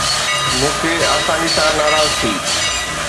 مون کي آساني سان ناراض ٿي